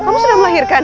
kamu sudah melahirkan